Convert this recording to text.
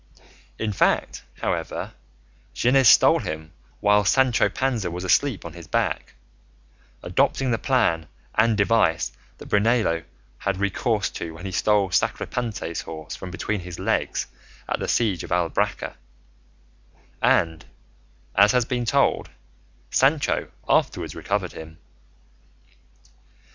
In fact, however, Gines stole him while Sancho Panza was asleep on his back, adopting the plan and device that Brunello had recourse to when he stole Sacripante's horse from between his legs at the siege of Albracca; and, as has been told, Sancho afterwards recovered him.